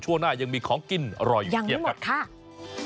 ชั่วหน้ายังมีของกินอร่อยอยู่เกี่ยวกันยังไม่หมดค่ะ